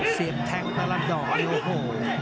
เสียงแต้งตลาดองโห